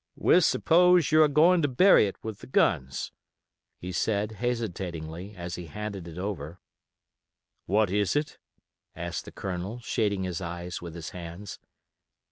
"We s'pose you're agoin' to bury it with the guns," he said, hesitatingly, as he handed it over. "What is it?" asked the Colonel, shading his eyes with his hands.